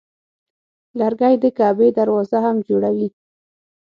لرګی د کعبې دروازه هم جوړوي.